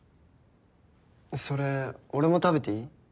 それ俺も食べていい？